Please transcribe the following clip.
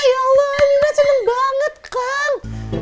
ya allah ini udah seneng banget kan